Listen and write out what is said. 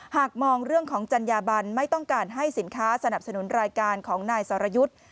หากมองเรื่องของจัญญาบันไม่ต้องการให้สินค้าสนับสนุนรายการของนายสรยุทธ์